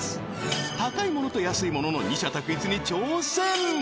高いものと安いものの二者択一に挑戦